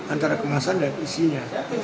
antara kemasan dan isinya